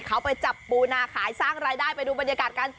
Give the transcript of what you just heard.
เขาไปจับปูนาขายสร้างรายได้ไปดูบรรยากาศกัน